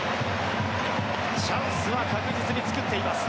チャンスは確実に作っています。